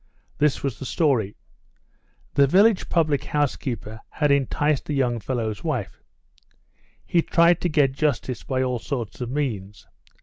This was the story: The village public house keeper had enticed the young fellow's wife. He tried to get justice by all sorts of means.